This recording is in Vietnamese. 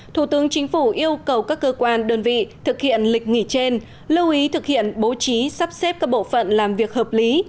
thủ tướng chính phủ yêu cầu các cơ quan đơn vị thực hiện lịch nghỉ trên lưu ý thực hiện bố trí sắp xếp các bộ phận làm việc hợp lý